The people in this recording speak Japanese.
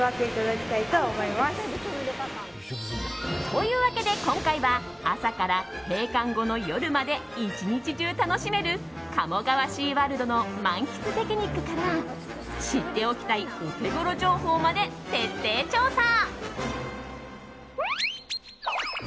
というわけで今回は朝から閉館後の夜まで１日中楽しめる鴨川シーワールドの満喫テクニックから知っておきたいオテゴロ情報まで徹底調査。